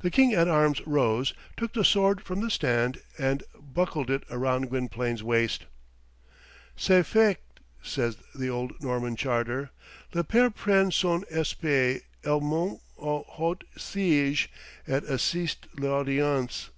The King at Arms rose, took the sword from the stand, and buckled it round Gwynplaine's waist. "Ce faict," says the old Norman charter, "le pair prend son espée, et monte aux hauts siéges, et assiste a l'audience."